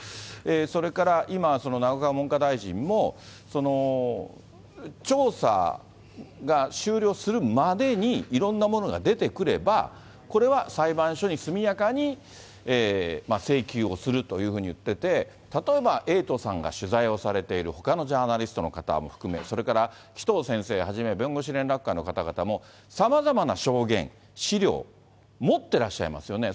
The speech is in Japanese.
それから今、その永岡文科大臣も調査が終了するまでに、いろんなものが出てくれば、これは裁判所に速やかに請求をするというふうに言ってて、例えば、エイトさんが取材をされているほかのジャーナリストの方も含め、それから紀藤先生創弁護士連絡会の方々も、さまざまな証言、資料、持ってらっしゃいますよね。